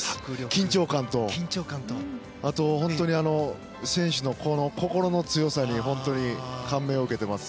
緊張感とあとは選手の心の強さに本当に感銘を受けてます。